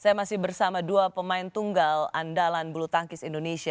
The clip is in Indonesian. saya masih bersama dua pemain tunggal andalan bulu tangkis indonesia